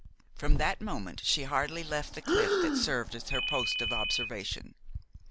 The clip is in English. From that moment she hardly left the cliff that served as her post of observation.